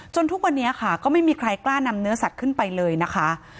ทุกวันนี้ค่ะก็ไม่มีใครกล้านำเนื้อสัตว์ขึ้นไปเลยนะคะ